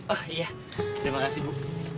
oh iya terima kasih bu